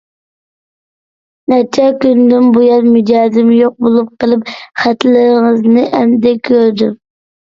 نەچچە كۈندىن بۇيان مىجەزىم يوق بولۇپ قېلىپ خەتلىرىڭىزنى ئەمدى كۆردۈم.